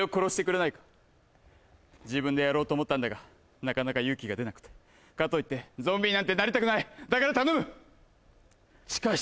自分でやろうと思ったんだがなかなか勇気が出なくてかといってゾンビになんてなりたくないだから頼む！